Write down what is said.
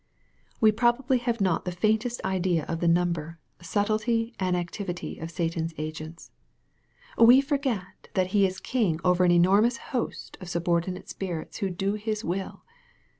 We probably have not the faintest idea of the number, subtlety, and activity of Satan's agents. We forget that he is king over an enormous host of subordinate spirits who do his will.